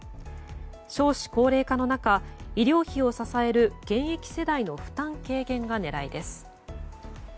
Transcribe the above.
少子高齢化の中医療費を支える現役世代の負担軽減が狙いです。